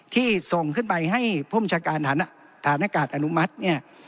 ที่ส่งขึ้นไปให้ผู้บัญชาการฐานอากาศอนุมัติเนี่ย